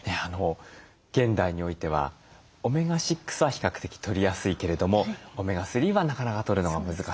現代においてはオメガ６は比較的とりやすいけれどもオメガ３はなかなかとるのが難しいと。